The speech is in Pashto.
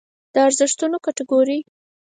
د ارزښتونو کټګورۍ